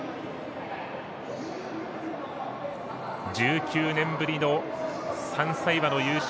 １９年ぶりの３歳馬の優勝